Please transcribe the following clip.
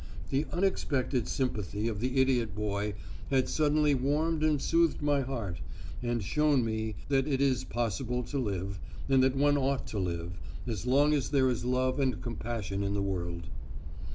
The unexpected sympathy of the idiot boy had suddenly warmed and soothed my heart, and shown me that it is possible to live, and that one ought to live, as long as there is love and compassion in the world."